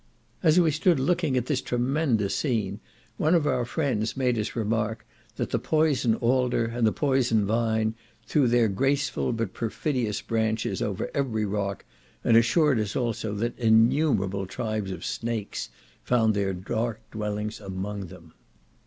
As we stood looking at this tremendous scene, one of our friends made us remark, that the poison alder, and the poison vine, threw their graceful, but perfidious branches, over every rock, and assured us also that innumerable tribes of snakes found their dark dwellings among them.